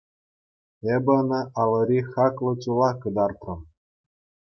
Эпӗ ӑна алӑри хаклӑ чула кӑтартрӑм.